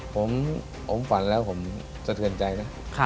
ผมอมฝันแล้วผมเตือนใจนะ